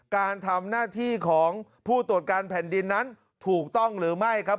การทำหน้าที่ของผู้ตรวจการแผ่นดินนั้นถูกต้องหรือไม่ครับ